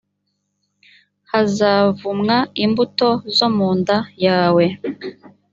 hazavumwa imbuto zo mu nda yawe